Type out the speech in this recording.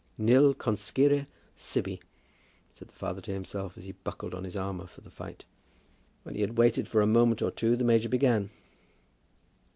"Nil conscire sibi," said the father to himself, as he buckled on his armour for the fight. When he had waited for a moment or two the major began.